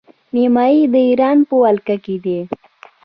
نیمايي د ایران په ولکه کې دی.